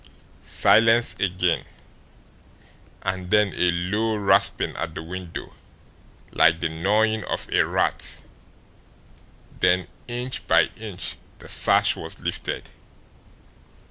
Silence again. And then a low rasping at the window, like the gnawing of a rat; then, inch by inch, the sash was lifted.